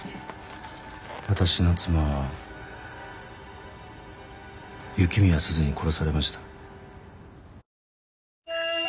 私の妻は雪宮鈴に殺されました。